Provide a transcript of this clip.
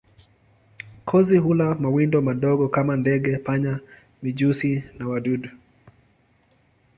Kozi hula mawindo madogo kama ndege, panya, mijusi na wadudu.